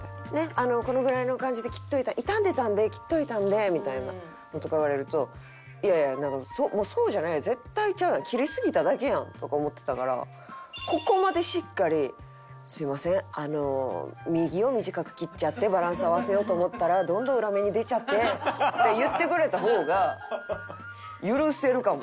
「このぐらいの感じで切っといた傷んでたので切っといたんで」みたいなとか言われるといやいやもうそうじゃない。とか思ってたからここまでしっかり「すいません右を短く切っちゃってバランス合わせようと思ったらどんどん裏目に出ちゃって」って言ってくれた方が許せるかも。